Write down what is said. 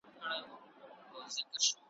غرڅه ولاړی د ځنګله پر خوا روان سو ,